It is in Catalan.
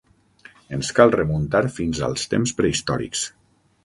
Ens cal remuntar fins als temps prehistòrics.